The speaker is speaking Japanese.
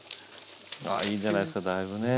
あいいんじゃないですかだいぶねえ。